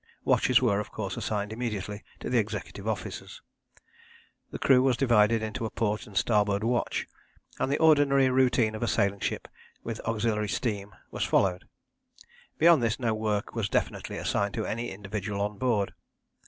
Watches were of course assigned immediately to the executive officers. The crew was divided into a port and starboard watch, and the ordinary routine of a sailing ship with auxiliary steam was followed. Beyond this no work was definitely assigned to any individual on board.